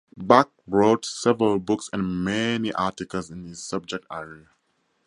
Bakke wrote several books and many articles in his subject area.